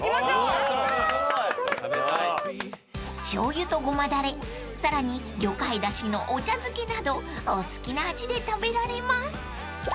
［しょうゆとごまだれさらに魚介だしのお茶漬けなどお好きな味で食べられます］